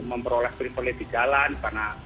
memperoleh pelit pelit di jalan